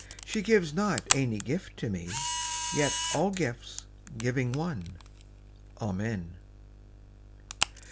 She gives not any gift to me Yet all gifts, giving one.... Amen.